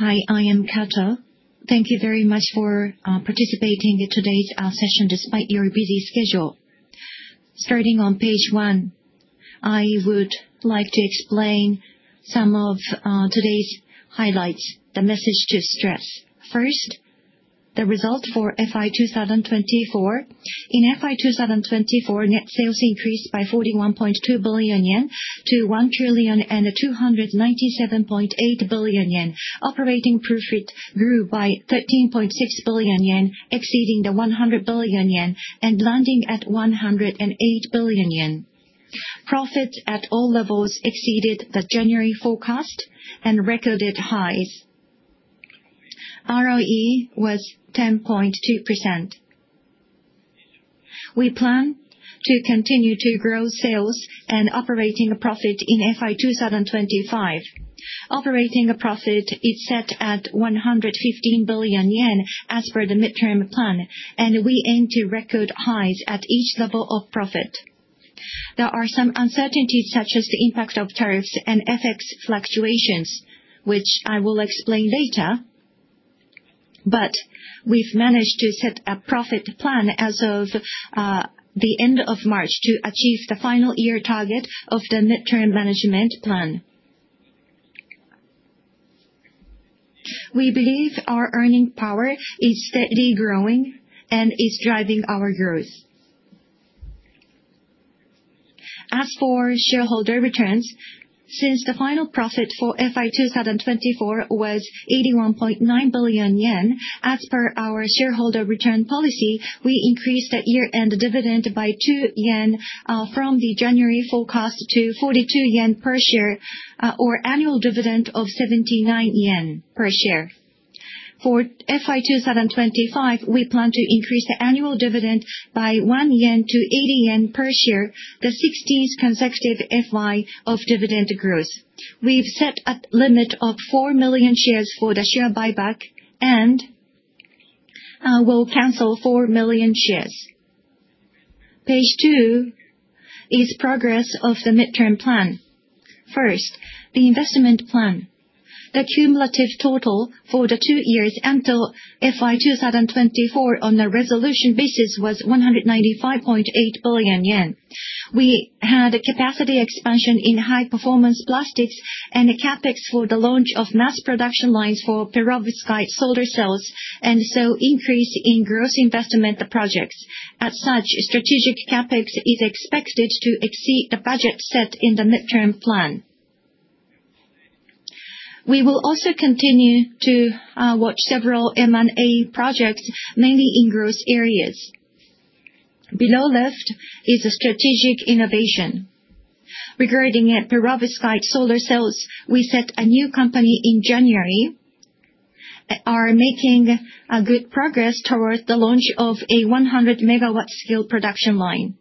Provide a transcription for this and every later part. Hi, I am Kato. Thank you very much for participating in today's session despite your busy schedule. Starting on page one, I would like to explain some of today's highlights, the message to stress. First, the result for FY 2024. In FY 2024, net sales increased by 41.2 billion-1,297.8 billion yen. Operating profit grew by 13.6 billion yen, exceeding the 100 billion yen and landing at 108 billion yen. Profits at all levels exceeded the January forecast and recorded highs. ROE was 10.2%. We plan to continue to grow sales and operating profit in FY 2025. Operating profit is set at 115 billion yen as per the midterm plan, and we aim to record highs at each level of profit. There are some uncertainties such as the impact of tariffs and FX fluctuations, which I will explain later, but we've managed to set a profit plan as of the end of March to achieve the final year target of the midterm management plan. We believe our earning power is steadily growing and is driving our growth. As for shareholder returns, since the final profit for FY 2024 was 81.9 billion yen as per our shareholder return policy, we increased the year-end dividend by 2 yen from the January forecast to 42 yen per share, or annual dividend of 79 yen per share. For FY 2025, we plan to increase the annual dividend by 1-80 yen per share, the 16th consecutive fiscal year of dividend growth. We've set a limit of 4 million shares for the share buyback and will cancel 4 million shares. Page two is progress of the midterm plan. First, the investment plan. The cumulative total for the two years until FY 2024 on the resolution basis was 195.8 billion yen. We had a capacity expansion in high-performance plastics and a capex for the launch of mass production lines for perovskite solar cells, and so increase in growth investment projects. As such, strategic capex is expected to exceed the budget set in the midterm plan. We will also continue to watch several M&A projects, mainly in growth areas. Below left is a strategic innovation. Regarding perovskite solar cells, we set a new company in January, are making good progress towards the launch of a 100 MW scale production line.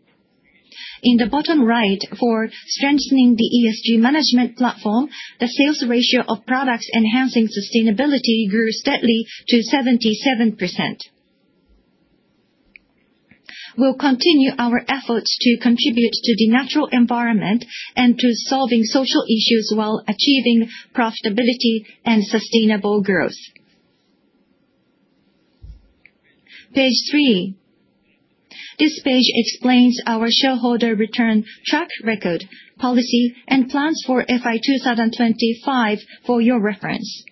In the bottom right, for strengthening the ESG management platform, the sales ratio of products enhancing sustainability grew steadily to 77%. We'll continue our efforts to contribute to the natural environment and to solving social issues while achieving profitability and sustainable growth. Page three. This page explains our shareholder return track record, policy, and plans for FY 2025 for your reference.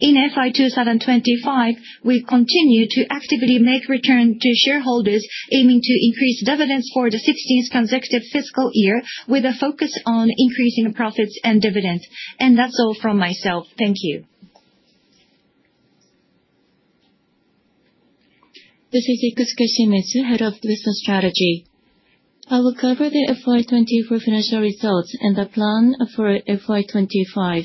In FY 2025, we continue to actively make returns to shareholders, aiming to increase dividends for the 16th consecutive fiscal year with a focus on increasing profits and dividends. That's all from myself. Thank you. This is Ikusuke Shimizu, Head of Business Strategy. I will cover the FY 2024 financial results and the plan for FY 2025.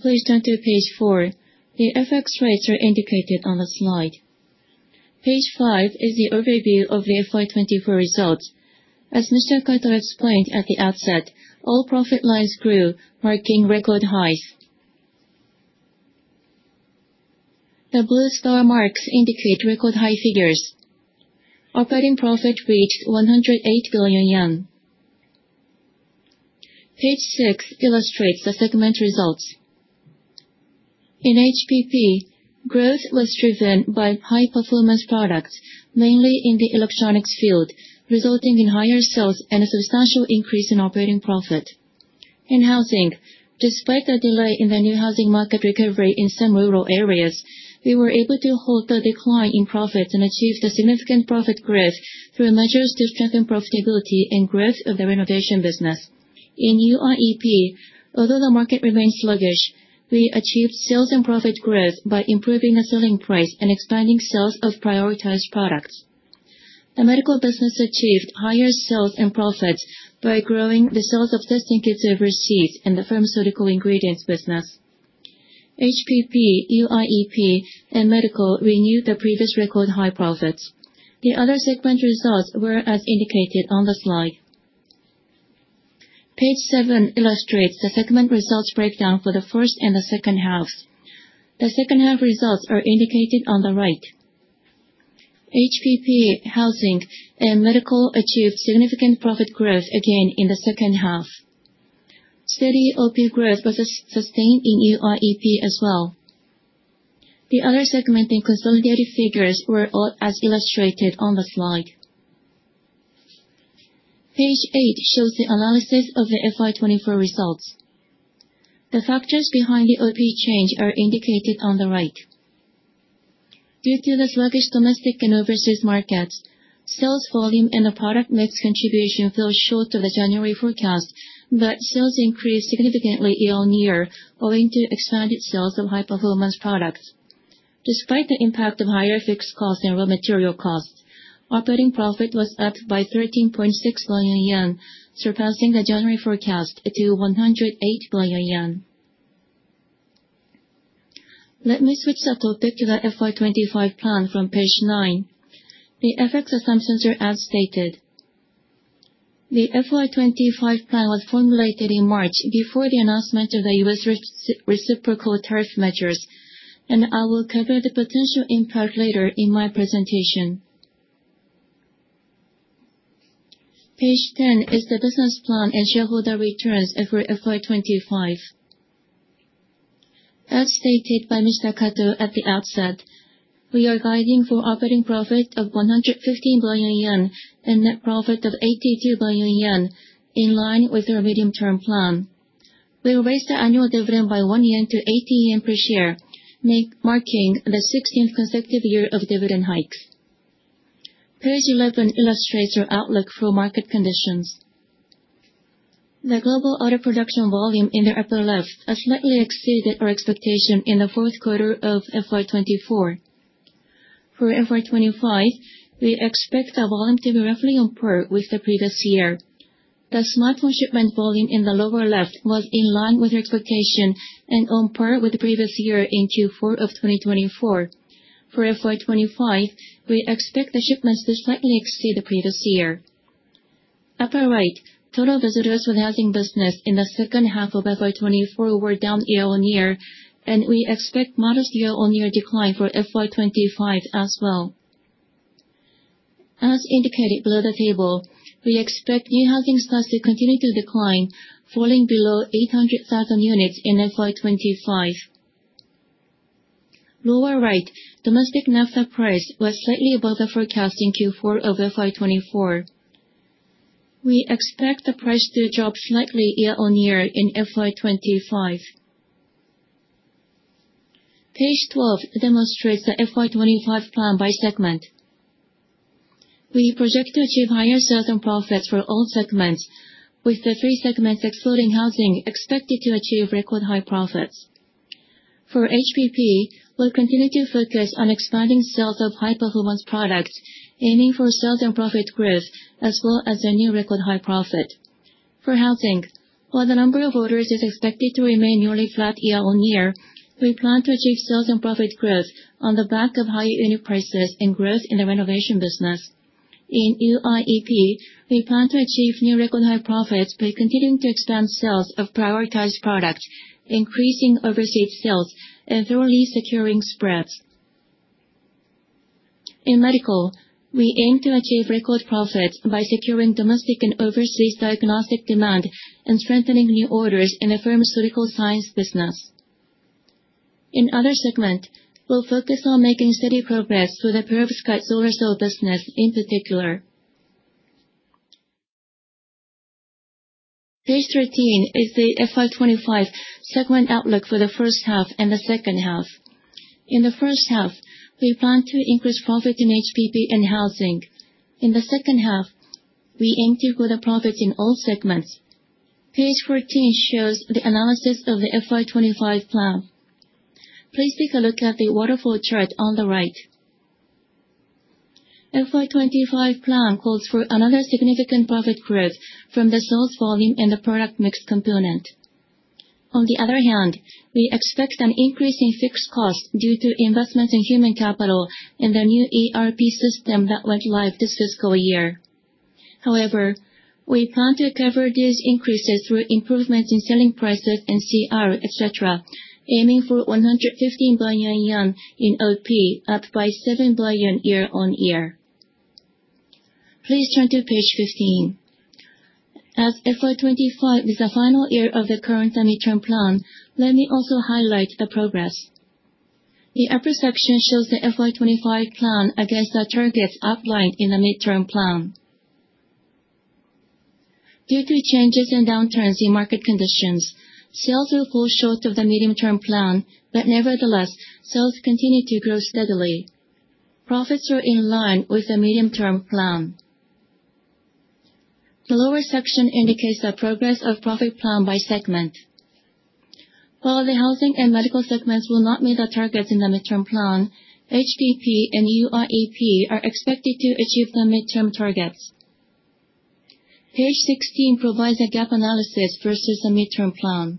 Please turn to page four. The FX rates are indicated on the slide. Page five is the overview of the FY 2024 results. As Mr. Kato explained at the outset, all profit lines grew, marking record highs. The blue star marks indicate record high figures. Operating profit reached 108 billion yen. Page six illustrates the segment results. In HPP, growth was driven by high-performance products, mainly in the electronics field, resulting in higher sales and a substantial increase in operating profit. In Housing, despite the delay in the new housing market recovery in some rural areas, we were able to hold the decline in profits and achieve significant profit growth through measures to strengthen profitability and growth of the renovation business. In UIEP, although the market remained sluggish, we achieved sales and profit growth by improving the selling price and expanding sales of prioritized products. The Medical business achieved higher sales and profits by growing the sales of testing kits overseas and the pharmaceutical ingredients business. HPP, UIEP, and Medical renewed the previous record high profits. The other segment results were as indicated on the slide. Page seven illustrates the segment results breakdown for the first and the second halves. The second half results are indicated on the right. HPP, Housing, and Medical achieved significant profit growth again in the second half. Steady OP growth was sustained in UIEP as well. The other segmenting consolidated figures were all as illustrated on the slide. Page eight shows the analysis of the FY 2024 results. The factors behind the OP change are indicated on the right. Due to the sluggish domestic and overseas markets, sales volume and the product mix contribution fell short of the January forecast, but sales increased significantly year-on-year, owing to expanded sales of high-performance products. Despite the impact of higher fixed costs and raw material costs, operating profit was upped by 13.6 billion yen, surpassing the January forecast to 108 billion yen. Let me switch the topic to the FY 2025 plan from page nine. The FX assumptions are as stated. The FY 2025 plan was formulated in March before the announcement of the US reciprocal tariff measures, and I will cover the potential impact later in my presentation. Page 10 is the business plan and shareholder returns for FY 2025. As stated by Mr. Kato at the outset, we are guiding for operating profit of 115 billion yen and net profit of 82 billion yen, in line with our medium-term plan. We'll raise the annual dividend by ¥1-¥80 per share, marking the 16th consecutive year of dividend hikes. Page 11 illustrates our outlook for market conditions. The global auto production volume in the upper left has slightly exceeded our expectation in the fourth quarter of FY 2024. For FY 2025, we expect the volume to be roughly on par with the previous year. The smartphone shipment volume in the lower left was in line with our expectation and on par with the previous year in Q4 of 2024. For FY 2025, we expect the shipments to slightly exceed the previous year. Upper right, total visitors for the Housing business in the second half of FY 2024 were down year-on-year, and we expect modest year-on-year decline for FY 2025 as well. As indicated below the table, we expect new housing starts to continue to decline, falling below 800,000 units in FY 2025. Lower right, domestic naphtha price was slightly above the forecast in Q4 of FY 2024. We expect the price to drop slightly year-on-year in FY 2025. Page 12 demonstrates the FY 2025 plan by segment. We project to achieve higher sales and profits for all segments, with the three segments excluding Housing expected to achieve record high profits. For HPP, we'll continue to focus on expanding sales of high-performance products, aiming for sales and profit growth, as well as a new record high profit. For Housing, while the number of orders is expected to remain nearly flat year-on-year, we plan to achieve sales and profit growth on the back of higher unit prices and growth in the renovation business. In UIEP, we plan to achieve new record high profits by continuing to expand sales of prioritized products, increasing overseas sales, and thoroughly securing spreads. In Medical, we aim to achieve record profits by securing domestic and overseas diagnostic demand and strengthening new orders in the Pharmaceutical Sciences Business. In other segments, we'll focus on making steady progress for the perovskite solar cell business in particular. Page 13 is the FY 2025 segment outlook for the first half and the second half. In the first half, we plan to increase profit in HPP and Housing. In the second half, we aim to grow the profits in all segments. Page 14 shows the analysis of the FY 2025 plan. Please take a look at the waterfall chart on the right. FY 2025 plan calls for another significant profit growth from the sales volume and the product mix component. On the other hand, we expect an increase in fixed costs due to investments in human capital and the new ERP system that went live this fiscal year. However, we plan to cover these increases through improvements in selling prices and CR, etc., aiming for 115 billion yen in OP, upped by 7 billion year-on-year. Please turn to page 15. As FY 2025 is the final year of the current and midterm plan, let me also highlight the progress. The upper section shows the FY 2025 plan against the targets outlined in the midterm plan. Due to changes and downturns in market conditions, sales will fall short of the medium-term plan, but nevertheless, sales continue to grow steadily. Profits are in line with the medium-term plan. The lower section indicates the progress of profit plan by segment. While the Housing and Medical segments will not meet the targets in the midterm plan, HPP and UIEP are expected to achieve the midterm targets. Page 16 provides a gap analysis versus the midterm plan.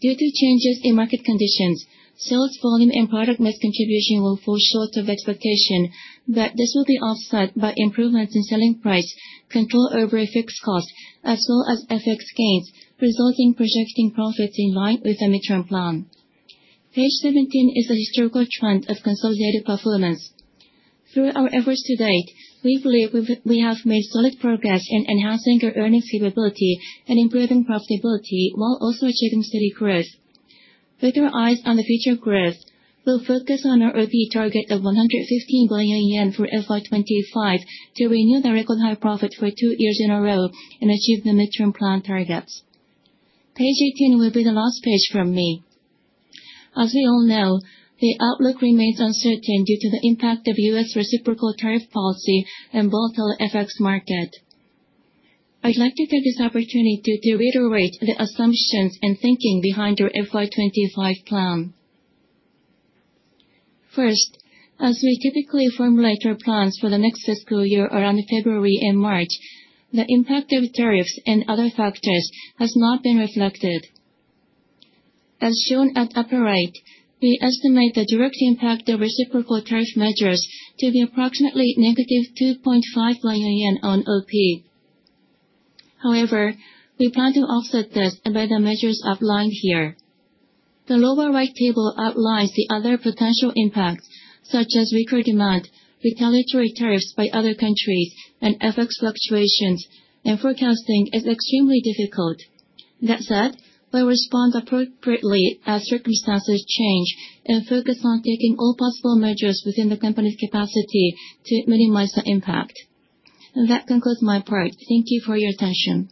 Due to changes in market conditions, sales volume and product mix contribution will fall short of expectation, but this will be offset by improvements in selling price, control over fixed costs, as well as FX gains, resulting in projecting profits in line with the midterm plan. Page 17 is the historical trend of consolidated performance. Through our efforts to date, we believe we have made solid progress in enhancing our earnings capability and improving profitability while also achieving steady growth. With our eyes on the future growth, we'll focus on our OP target of 115 billion yen for FY 2025 to renew the record high profit for two years in a row and achieve the midterm plan targets. Page 18 will be the last page from me. As we all know, the outlook remains uncertain due to the impact of U.S. reciprocal tariff policy and volatile FX market. I'd like to take this opportunity to reiterate the assumptions and thinking behind our FY 2025 plan. First, as we typically formulate our plans for the next fiscal year around February and March, the impact of tariffs and other factors has not been reflected. As shown at upper right, we estimate the direct impact of reciprocal tariff measures to be approximately negative 2.5 billion yen on OP. However, we plan to offset this by the measures outlined here. The lower right table outlines the other potential impacts, such as weaker demand, retaliatory tariffs by other countries, and FX fluctuations, and forecasting is extremely difficult. That said, we'll respond appropriately as circumstances change and focus on taking all possible measures within the company's capacity to minimize the impact. That concludes my part. Thank you for your attention.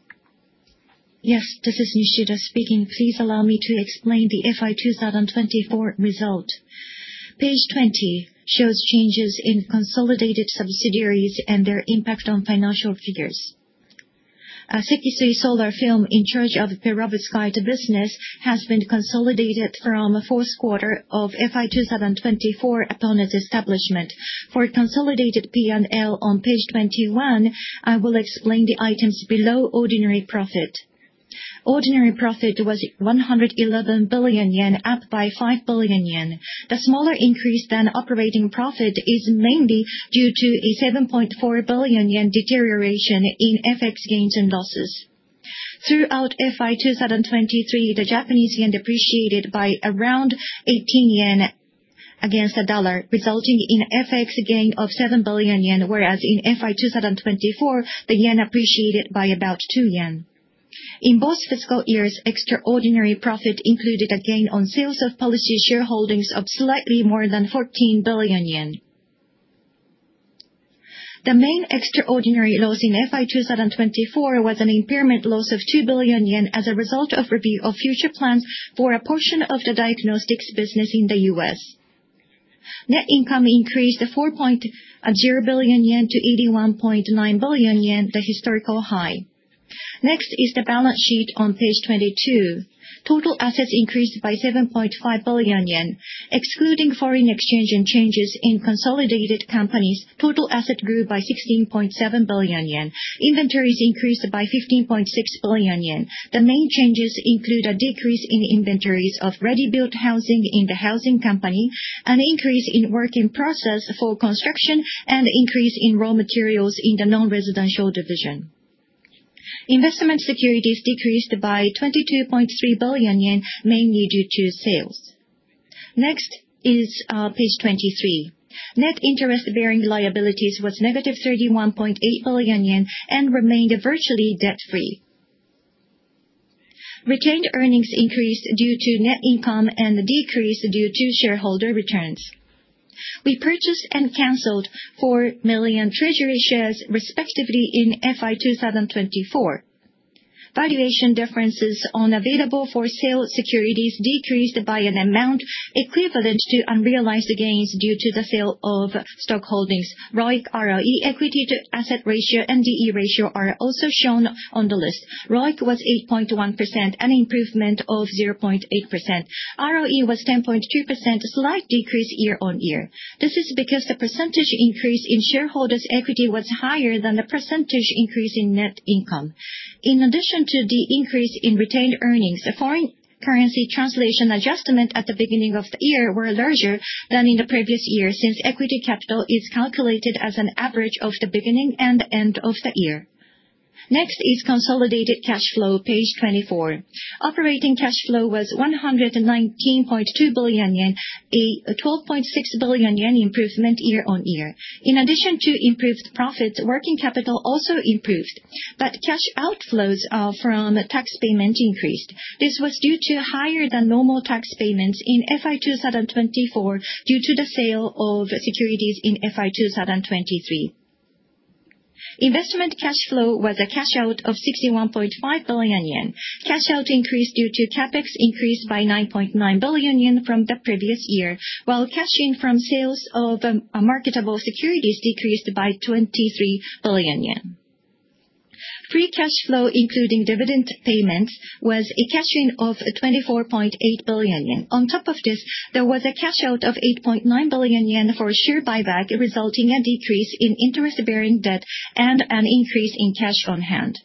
Yes, this is Yoshida speaking. Please allow me to explain the FY 2024 result. Page 20 shows changes in consolidated subsidiaries and their impact on financial figures. Sekisui Solar Film, in charge of the perovskite business, has been consolidated from fourth quarter of FY 2024 upon its establishment. For consolidated P&L on page 21, I will explain the items below ordinary profit. Ordinary profit was 111 billion yen, upped by 5 billion yen. The smaller increase than operating profit is mainly due to a 7.4 billion yen deterioration in FX gains and losses. Throughout FY 2023, the Japanese yen depreciated by around 18 yen against the dollar, resulting in FX gain of 7 billion yen, whereas in FY 2024, the yen appreciated by about 2 yen. In both fiscal years, extraordinary profit included a gain on sales of policy shareholdings of slightly more than 14 billion yen. The main extraordinary loss in FY 2024 was an impairment loss of 2 billion yen as a result of review of future plans for a portion of the diagnostics business in the US. Net income increased 4.0 billion yen to 81.9 billion yen, the historical high. Next is the balance sheet on page 22. Total assets increased by 7.5 billion yen. Excluding foreign exchange and changes in consolidated companies, total assets grew by 16.7 billion yen. Inventories increased by 15.6 billion yen. The main changes include a decrease in inventories of ready-built housing in the Housing Company, an increase in work in process for construction, and an increase in raw materials in the non-residential division. Investment securities decreased by 22.3 billion yen, mainly due to sales. Next is page 23. Net interest-bearing liabilities was negative 31.8 billion yen and remained virtually debt-free. Retained earnings increased due to net income and decreased due to shareholder returns. We purchased and canceled 4 million treasury shares, respectively, in FY 2024. Valuation differences on available for sale securities decreased by an amount equivalent to unrealized gains due to the sale of stockholdings. ROIC, ROE, equity-to-asset ratio, and DE ratio are also shown on the list. ROIC was 8.1%, an improvement of 0.8%. ROE was 10.2%, a slight decrease year-on-year. This is because the percentage increase in shareholders' equity was higher than the percentage increase in net income. In addition to the increase in retained earnings, foreign currency translation adjustments at the beginning of the year were larger than in the previous year since equity capital is calculated as an average of the beginning and end of the year. Next is consolidated cash flow, page 24. Operating cash flow was 119.2 billion yen, a 12.6 billion yen improvement year-on-year. In addition to improved profits, working capital also improved, but cash outflows from tax payments increased. This was due to higher than normal tax payments in FY 2024 due to the sale of securities in FY 2023. Investment cash flow was a cash out of 61.5 billion yen. Cash out increased due to CapEx increased by 9.9 billion yen from the previous year, while cash in from sales of marketable securities decreased by 23 billion yen. Free cash flow, including dividend payments, was a cash in of 24.8 billion yen. On top of this, there was a cash out of 8.9 billion yen for share buyback, resulting in a decrease in interest-bearing debt and an increase in cash on hand.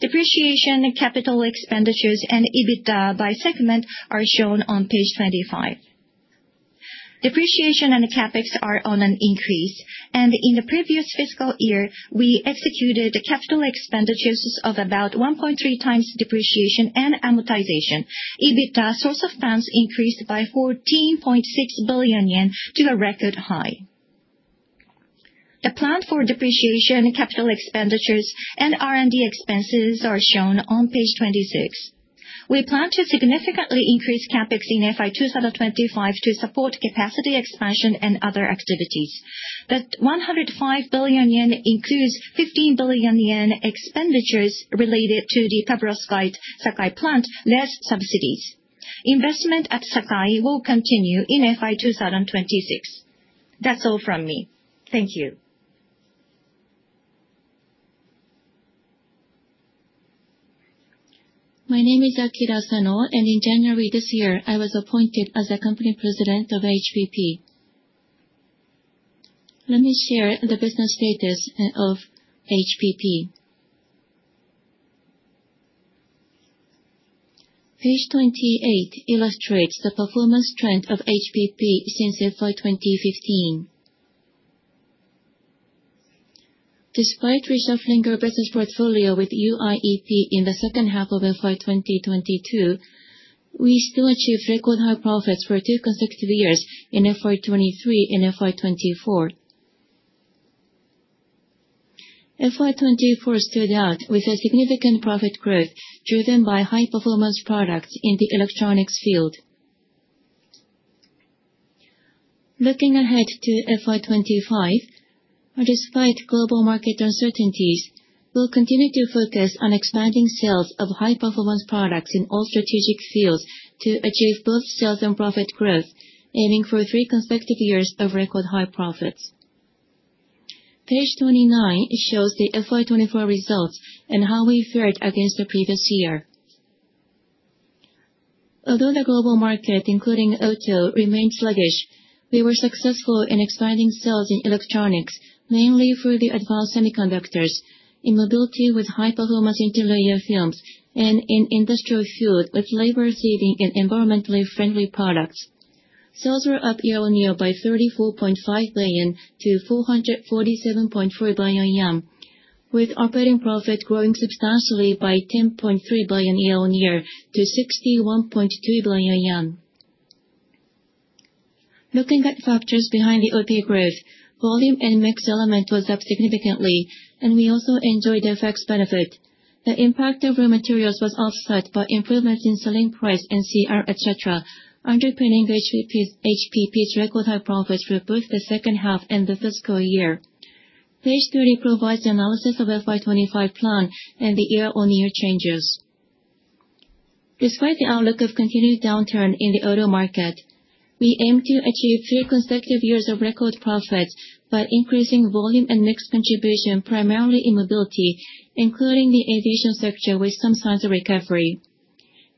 Depreciation, capital expenditures, and EBITDA by segment are shown on page 25. Depreciation and CapEx are on an increase, and in the previous fiscal year, we executed capital expenditures of about 1.3 times depreciation and amortization. EBITDA, source of funds, increased by 14.6 billion yen to a record high. The plan for depreciation, capital expenditures, and R&D expenses are shown on page 26. We plan to significantly increase CapEx in FY 2025 to support capacity expansion and other activities. The 105 billion yen includes 15 billion yen expenditures related to the perovskite Sakai Plant, less subsidies. Investment at Sakai will continue in FY 2026. That's all from me. Thank you. My name is Akira Sano, and in January this year, I was appointed as a company president of HPP. Let me share the business status of HPP. Page 28 illustrates the performance trend of HPP since FY 2015. Despite reshuffling our business portfolio with UIEP in the second half of FY 2022, we still achieved record high profits for two consecutive years in FY 2023 and FY 2024. FY 2024 stood out with a significant profit growth driven by high-performance products in the electronics field. Looking ahead to FY 2025, despite global market uncertainties, we'll continue to focus on expanding sales of high-performance products in all strategic fields to achieve both sales and profit growth, aiming for three consecutive years of record high profits. Page 29 shows the FY 2024 results and how we fared against the previous year. Although the global market, including auto, remained sluggish, we were successful in expanding sales in electronics, mainly for the advanced semiconductors, in mobility with high-performance interlayer films, and in industrial food with labor-saving and environmentally friendly products. Sales were up year-on-year by 34.5 billion-447.4 billion yen, with operating profit growing substantially by 10.3 billion year-on-year to 61.2 billion yen. Looking at factors behind the OP growth, volume and mix element was up significantly, and we also enjoyed the FX benefit. The impact of raw materials was offset by improvements in selling price and CR, etc., underpinning HPP's record high profits for both the second half and the fiscal year. Page 30 provides the analysis of FY 2025 plan and the year-on-year changes. Despite the outlook of continued downturn in the auto market, we aim to achieve three consecutive years of record profits by increasing volume and mix contribution, primarily in mobility, including the aviation sector, with some signs of recovery.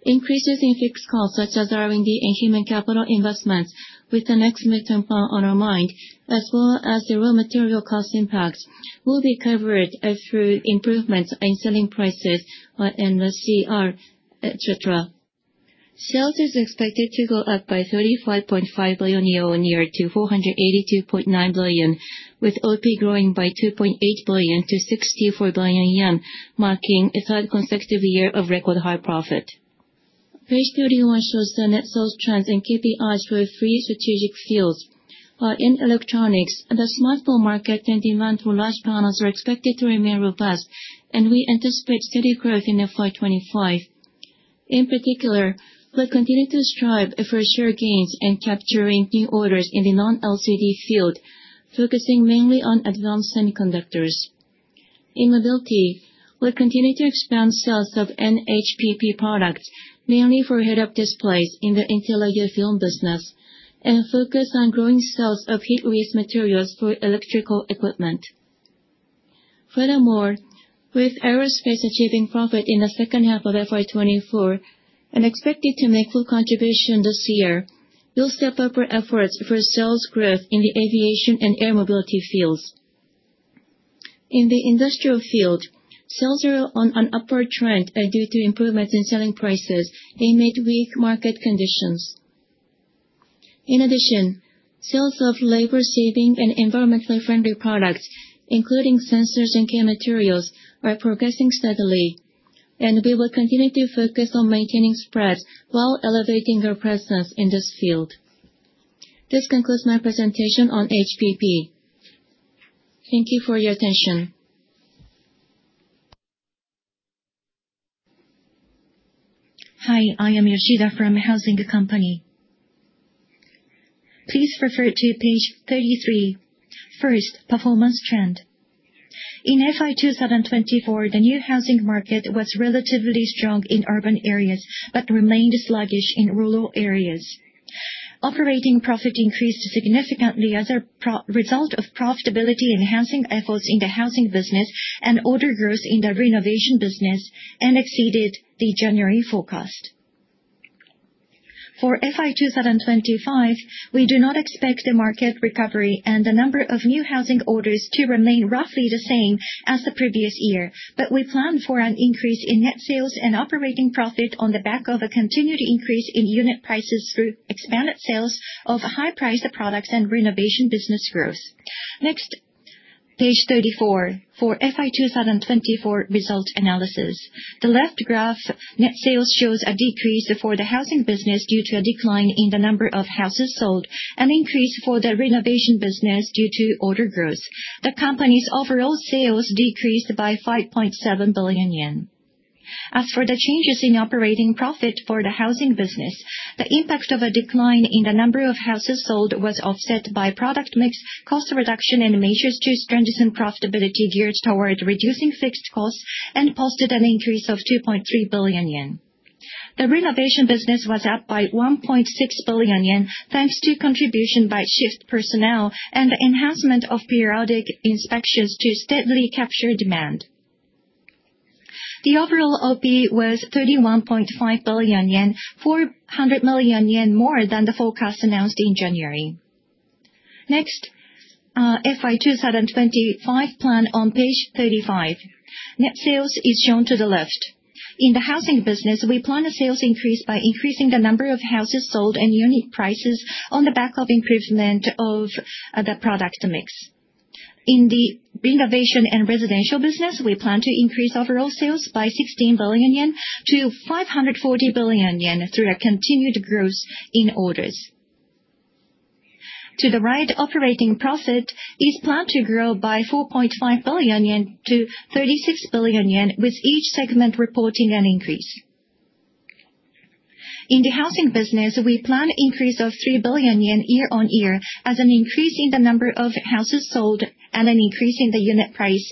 Increases in fixed costs, such as R&D and human capital investments, with the next midterm plan on our mind, as well as the raw material cost impacts, will be covered through improvements in selling prices and CR, etc. Sales is expected to go up by 35.5 billion yen year-on-year to 482.9 billion, with OP growing by 2.8 billion-64 billion yen, marking a third consecutive year of record high profit. Page 31 shows the net sales trends and KPIs for three strategic fields. In electronics, the smartphone market and demand for large panels are expected to remain robust, and we anticipate steady growth in FY 2025. In particular, we'll continue to strive for share gains and capturing new orders in the non-LCD field, focusing mainly on advanced semiconductors. In mobility, we'll continue to expand sales of HUD products, mainly for head-up displays in the interlayer film business, and focus on growing sales of heat-resistant materials for electrical equipment. Furthermore, with aerospace achieving profit in the second half of FY 2024 and expected to make full contribution this year, we'll step up our efforts for sales growth in the aviation and air mobility fields. In the industrial field, sales are on an upward trend due to improvements in selling prices amid weak market conditions. In addition, sales of labor-saving and environmentally friendly products, including sensors and chemical materials, are progressing steadily, and we will continue to focus on maintaining spreads while elevating our presence in this field. This concludes my presentation on HPP. Thank you for your attention. Hi, I am Yoshida from Housing Company. Please refer to page 33. First, performance trend. In FY 2024, the new housing market was relatively strong in urban areas but remained sluggish in rural areas. Operating profit increased significantly as a result of profitability-enhancing efforts in the Housing business and order growth in the renovation business, and exceeded the January forecast. For FY 2025, we do not expect the market recovery and the number of new Housing orders to remain roughly the same as the previous year, but we plan for an increase in net sales and operating profit on the back of a continued increase in unit prices through expanded sales of high-priced products and renovation business growth. Next, page 34 for FY 2024 result analysis. The left graph, net sales shows a decrease for the Housing business due to a decline in the number of houses sold, an increase for the renovation business due to order growth. The company's overall sales decreased by 5.7 billion yen. As for the changes in operating profit for the Housing business, the impact of a decline in the number of houses sold was offset by product mix, cost reduction, and measures to strengthen profitability geared toward reducing fixed costs and posted an increase of 2.3 billion yen. The renovation business was up by 1.6 billion yen thanks to contribution by shift personnel and enhancement of periodic inspections to steadily capture demand. The overall OP was 31.5 billion yen, 400 million yen more than the forecast announced in January. Next, FY 2025 plan on page 35. Net sales is shown to the left. In the Housing business, we plan a sales increase by increasing the number of houses sold and unit prices on the back of improvement of the product mix. In the renovation and residential business, we plan to increase overall sales by 16 billion-540 billion yen through continued growth in orders. To the right, operating profit is planned to grow by 4.5 billion-36 billion yen, with each segment reporting an increase. In the Housing business, we plan an increase of 3 billion yen year-on-year as an increase in the number of houses sold and an increase in the unit price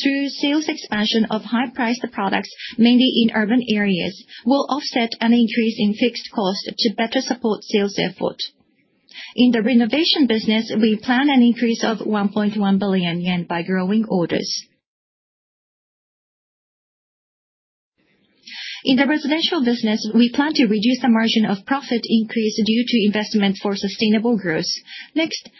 through sales expansion of high-priced products, mainly in urban areas. We'll offset an increase in fixed costs to better support sales effort. In the renovation business, we plan an increase of 1.1 billion yen by growing orders. In the residential business, we plan to reduce the margin of profit increase due to investment for sustainable growth. Next,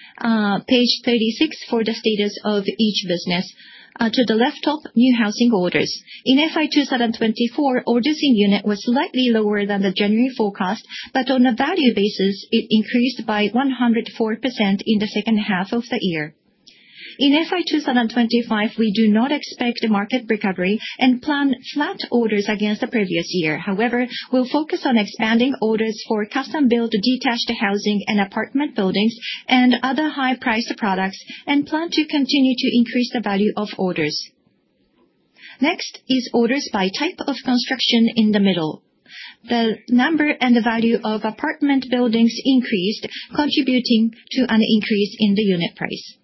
page 36 for the status of each business. To the left of new housing orders. In FY 2024, orders in unit were slightly lower than the January forecast, but on a value basis, it increased by 104% in the second half of the year. In FY 2025, we do not expect a market recovery and plan flat orders against the previous year. However, we'll focus on expanding orders for custom-built detached housing and apartment buildings and other high-priced products and plan to continue to increase the value of orders. Next is orders by type of construction in the middle. The number and the value of apartment buildings increased, contributing to an increase in the unit price.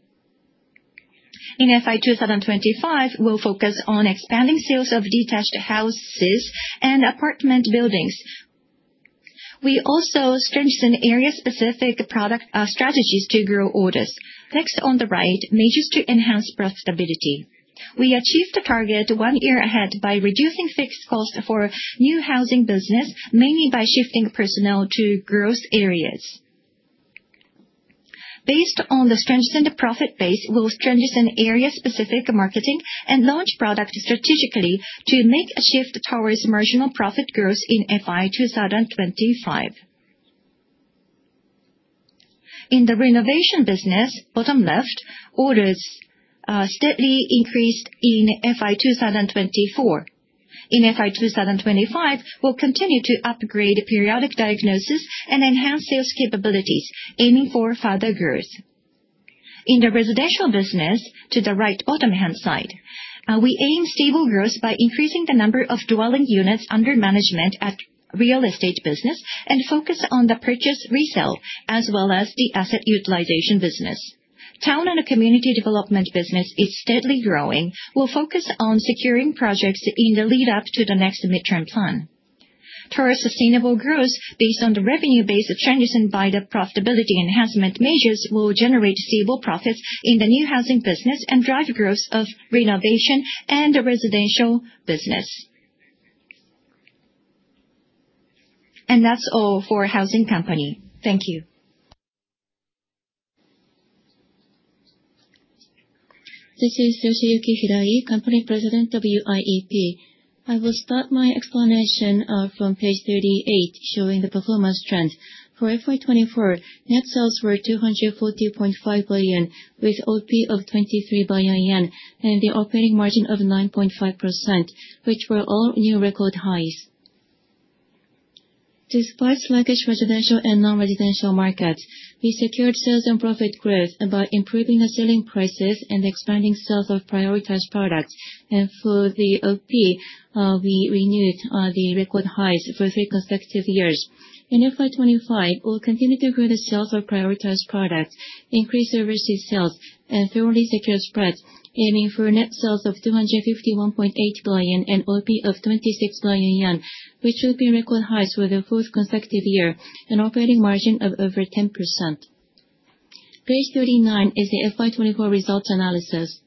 In FY 2025, we'll focus on expanding sales of detached houses and apartment buildings. We also strengthen area-specific product strategies to grow orders. Next on the right, measures to enhance profitability. We achieved the target one year ahead by reducing fixed costs for new Housing business, mainly by shifting personnel to growth areas. Based on the strengthened profit base, we will strengthen area-specific marketing and launch products strategically to make a shift towards marginal profit growth in FY 2025. In the renovation business, bottom left, orders steadily increased in FY 2024. In FY 2025, we will continue to upgrade periodic diagnosis and enhance sales capabilities, aiming for further growth. In the residential business, to the right, bottom hand side, we aim stable growth by increasing the number of dwelling units under management at real estate business and focus on the purchase resale, as well as the asset utilization business. Town and Community Development Business is steadily growing. We'll focus on securing projects in the lead-up to the next midterm plan. Towards sustainable growth based on the revenue base strengthened by the profitability enhancement measures will generate stable profits in the new Housing business and drive growth of renovation and residential business. That is all for Housing Company. Thank you. This is Yoshiyuki Hirai, Company President of UIEP. I will start my explanation from page 38, showing the performance trend. For FY 2024, net sales were 240.5 billion, with OP of 23 billion yen and the operating margin of 9.5%, which were all new record highs. Despite sluggish residential and non-residential markets, we secured sales and profit growth by improving the selling prices and expanding sales of prioritized products. For the OP, we renewed the record highs for three consecutive years. In FY 2025, we will continue to grow the sales of prioritized products, increase overseas sales, and thoroughly secure spreads, aiming for net sales of 251.8 billion and OP of 26 billion yen, which will be record highs for the fourth consecutive year and operating margin of over 10%. Page 39 is the FY 2024 results analysis.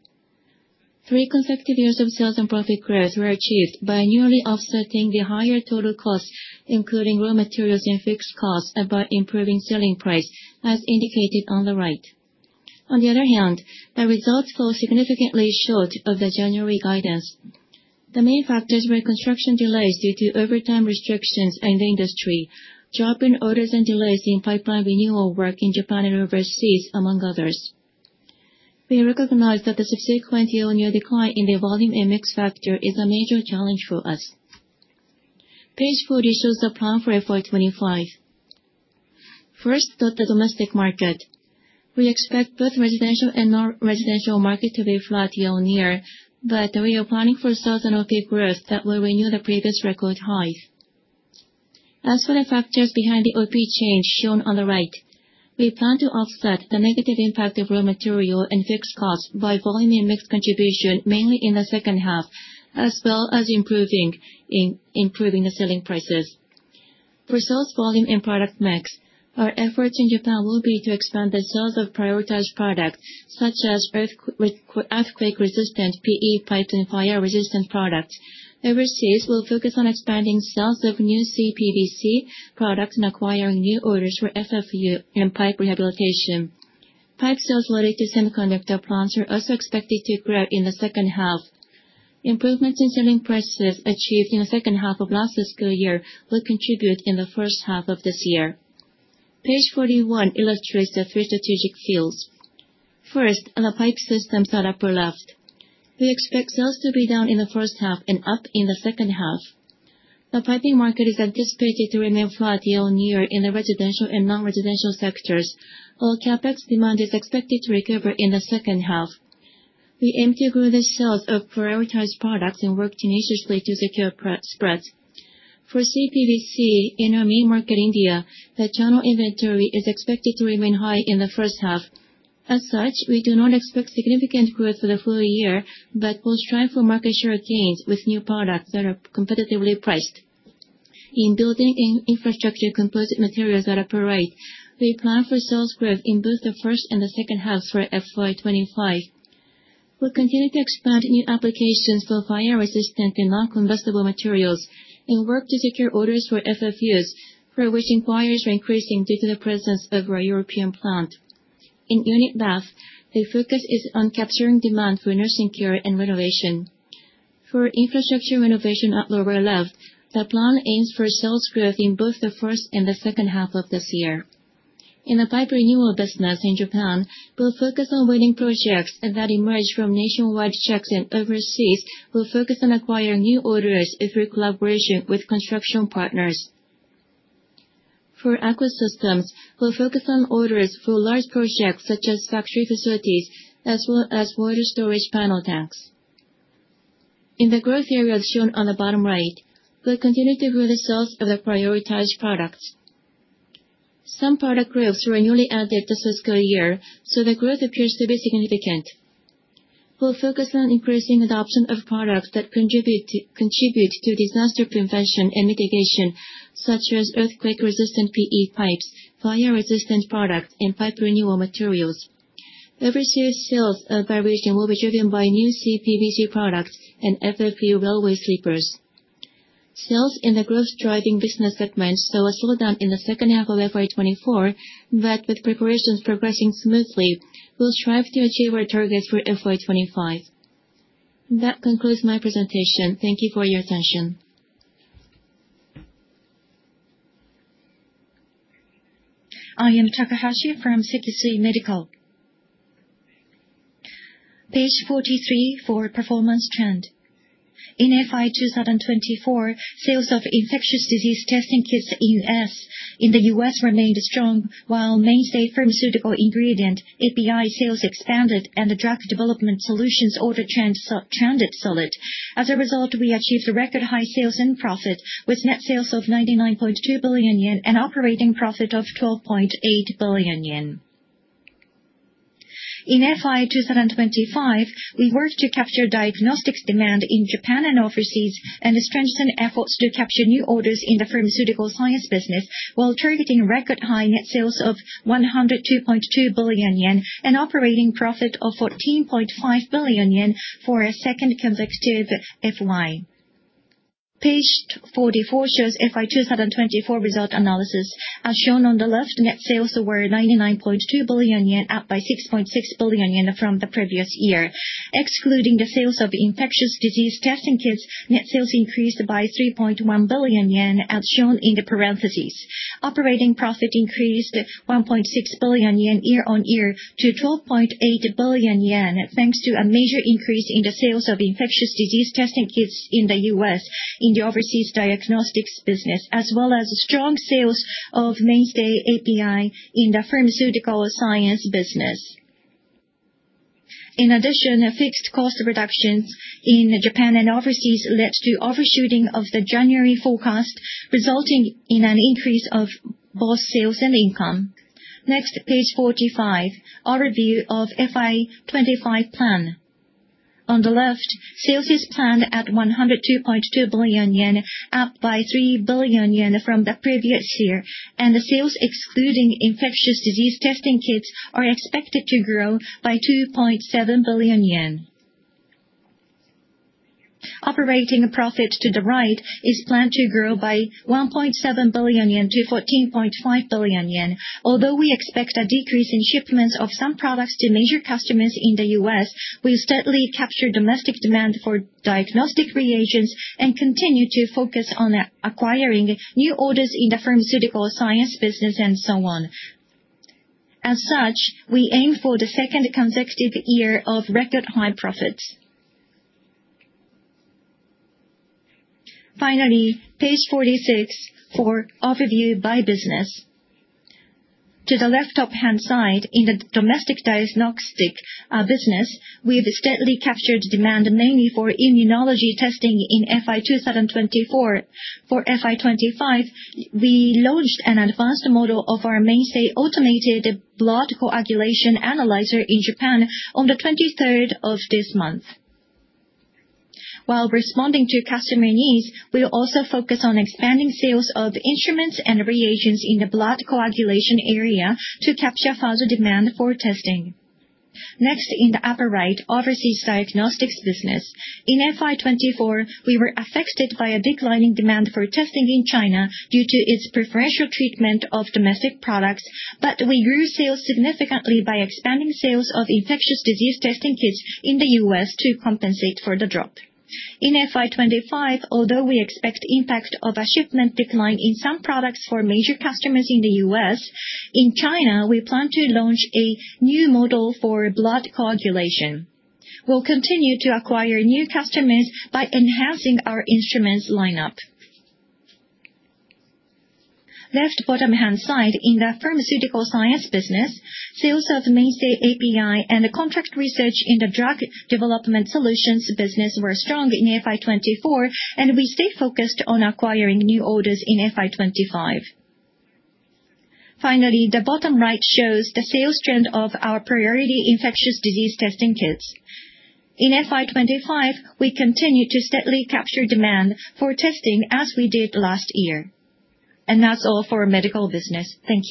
Three consecutive years of sales and profit growth were achieved by nearly offsetting the higher total costs, including raw materials and fixed costs, by improving selling price, as indicated on the right. On the other hand, the results fall significantly short of the January guidance. The main factors were construction delays due to overtime restrictions in the industry, drop in orders and delays in pipeline renewal work in Japan and overseas, among others. We recognize that the subsequent year-on-year decline in the volume and mix factor is a major challenge for us. Page 40 shows the plan for FY 2025. First, the domestic market. We expect both residential and non-residential market to be flat year-on-year, but we are planning for sales and OP growth that will renew the previous record highs. As for the factors behind the OP change, shown on the right, we plan to offset the negative impact of raw material and fixed costs by volume and mix contribution, mainly in the second half, as well as improving the selling prices. For sales volume and product mix, our efforts in Japan will be to expand the sales of prioritized products, such as earthquake-resistant PE pipe and fire-resistant products. Overseas, we'll focus on expanding sales of new CPVC products and acquiring new orders for FFU and pipe rehabilitation. Pipe sales related to semiconductor plants are also expected to grow in the second half. Improvements in selling prices achieved in the second half of last fiscal year will contribute in the first half of this year. Page 41 illustrates the three strategic fields. First, the pipe systems at upper left. We expect sales to be down in the first half and up in the second half. The piping market is anticipated to remain flat year-on-year in the residential and non-residential sectors, while CapEx demand is expected to recover in the second half. We aim to grow the sales of prioritized products and work tenaciously to secure spreads. For CPVC, in our main market, India, the channel inventory is expected to remain high in the first half. As such, we do not expect significant growth for the full year, but we'll strive for market share gains with new products that are competitively priced. In building and infrastructure composite materials at upper right, we plan for sales growth in both the first and the second halves for FY 2025. We'll continue to expand new applications for fire-resistant and non-combustible materials and work to secure orders for FFUs, for which inquiries are increasing due to the presence of our European plant. In unit bath, the focus is on capturing demand for nursing care and renovation. For infrastructure renovation at lower left, the plan aims for sales growth in both the first and the second half of this year. In the pipe renewal business in Japan, we'll focus on winning projects that emerge from nationwide checks and overseas. We'll focus on acquiring new orders through collaboration with construction partners. For Aqua Systems, we'll focus on orders for large projects such as factory facilities, as well as water storage panel tanks. In the growth areas shown on the bottom right, we'll continue to grow the sales of the prioritized products. Some product growths were newly added this fiscal year, so the growth appears to be significant. We'll focus on increasing adoption of products that contribute to disaster prevention and mitigation, such as earthquake-resistant PE pipes, fire-resistant products, and pipe renewal materials. Overseas sales by region will be driven by new CPVC products and FFU railway sleepers. Sales in the growth-driving business segment saw a slowdown in the second half of FY 2024, but with preparations progressing smoothly, we'll strive to achieve our targets for FY 2025. That concludes my presentation. Thank you for your attention. I am Takahashi from Sekisui Medical. Page 43 for performance trend. In FY 2024, sales of infectious disease testing kits in the US remained strong, while mainstay pharmaceutical ingredient API sales expanded and the drug development solutions order trend trended solid. As a result, we achieved record high sales and profit, with net sales of 99.2 billion yen and operating profit of 12.8 billion yen. In FY 2025, we worked to capture diagnostics demand in Japan and overseas and strengthen efforts to capture new orders in the Pharmaceutical Sciences Business while targeting record high net sales of 102.2 billion yen and operating profit of 14.5 billion yen for a second consecutive FY. Page 44 shows FY 2024 result analysis. As shown on the left, net sales were 99.2 billion yen, up by 6.6 billion yen from the previous year. Excluding the sales of infectious disease testing kits, net sales increased by 3.1 billion yen, as shown in the parentheses. Operating profit increased 1.6 billion yen year-on-year to 12.8 billion yen, thanks to a major increase in the sales of infectious disease testing kits in the US in the overseas diagnostics business, as well as strong sales of mainstay API in the Pharmaceutical Sciences Business. In addition, fixed cost reductions in Japan and overseas led to overshooting of the January forecast, resulting in an increase of both sales and income. Next, page 45, our review of FY 2025 plan. On the left, sales is planned at 102.2 billion yen, up by 3 billion yen from the previous year, and the sales excluding infectious disease testing kits are expected to grow by 2.7 billion yen. Operating profit to the right is planned to grow by 1.7 billion-14.5 billion yen. Although we expect a decrease in shipments of some products to major customers in the US, we'll steadily capture domestic demand for diagnostic reagents and continue to focus on acquiring new orders in the Pharmaceutical Sciences Business and so on. As such, we aim for the second consecutive year of record high profits. Finally, page 46 for overview by business. To the left top hand side, in the domestic diagnostic business, we've steadily captured demand mainly for immunology testing in FY 2024. For FY 2025, we launched an advanced model of our mainstay automated blood coagulation analyzer in Japan on the 23rd of this month. While responding to customer needs, we'll also focus on expanding sales of instruments and reagents in the blood coagulation area to capture further demand for testing. Next, in the upper right, overseas diagnostics business. In FY 2024, we were affected by a declining demand for testing in China due to its preferential treatment of domestic products, but we grew sales significantly by expanding sales of infectious disease testing kits in the US to compensate for the drop. In FY 2025, although we expect impact of a shipment decline in some products for major customers in the US, in China, we plan to launch a new model for blood coagulation. We'll continue to acquire new customers by enhancing our instruments lineup. Left bottom hand side, in the Pharmaceutical Sciences Business, sales of mainstay API and contract research in the Drug Development Solutions Business were strong in FY 2024, and we stayed focused on acquiring new orders in FY 2025. Finally, the bottom right shows the sales trend of our priority infectious disease testing kits. In FY 2025, we continue to steadily capture demand for testing as we did last year. That is all for our Medical business. Thank you.